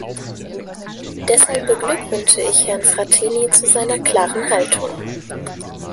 Deshalb beglückwünsche ich Herrn Frattini zu seiner klaren Haltung.